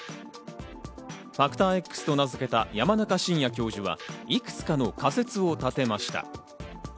ファクターＸと名付けた山中伸弥教授は、いくつかの仮説を立てました。